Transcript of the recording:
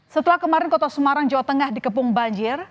setelah kemarin kota semarang jawa tengah dikepung banjir